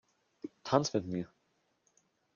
Tanz mit mir!